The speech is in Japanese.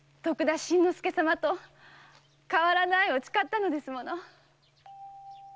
徳田新之助様と変わらぬ愛を誓ったのですもの。